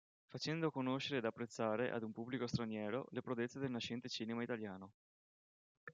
Facendo conoscere ed apprezzare, ad un pubblico straniero, le prodezze del nascente cinema italiano.